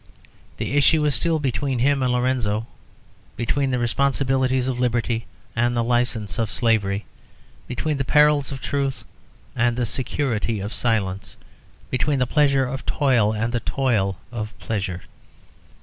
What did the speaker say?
The issue is still between him and Lorenzo, between the responsibilities of liberty and the license of slavery, between the perils of truth and the security of silence, between the pleasure of toil and the toil of pleasure.